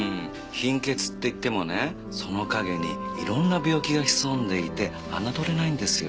貧血って言ってもねその陰にいろんな病気が潜んでいて侮れないんですよ。